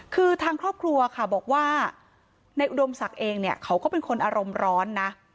คือทางครอบครัวค่ะบอกว่าในอุดมศักดิ์เองเนี่ยเขาก็เป็นคนอารมณ์ร้อนนะ